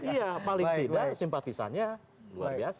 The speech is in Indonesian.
iya paling tidak simpatisannya luar biasa